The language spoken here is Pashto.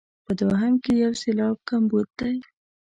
په دوهم کې یو سېلاب کمبود دی.